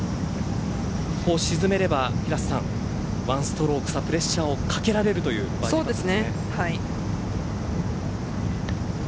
ここを沈めれば１ストローク差プレッシャーをかけられるというところです。